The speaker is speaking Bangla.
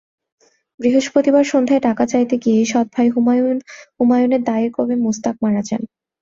বৃহস্পতিবার সন্ধ্যায় টাকা চাইতে গিয়ে সৎভাই হুমায়ুনের দায়ের কোপে মোস্তাক মারা যান।